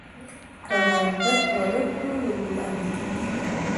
که غیبت ونه کړو نو ګناه نه لیکل کیږي.